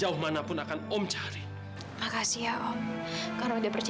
oke nanti aku akan jatuh nausea